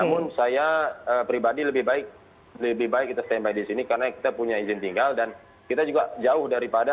namun saya pribadi lebih baik lebih baik kita standby di sini karena kita punya izin tinggal dan kita juga jauh daripada